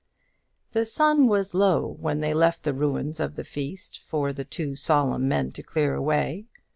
The sun was low when they left the ruins of the feast for the two solemn men to clear away.